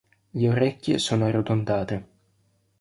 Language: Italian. Le orecchie sono arrotondate.